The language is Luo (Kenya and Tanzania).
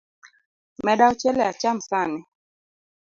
Meda ochele acham sani.